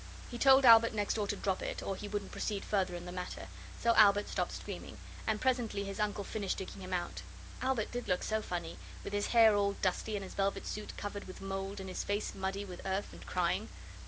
He told Albert next door to drop it, or he wouldn't proceed further in the matter, so Albert stopped screaming, and presently his uncle finished digging him out. Albert did look so funny, with his hair all dusty and his velvet suit covered with mould and his face muddy with earth and crying.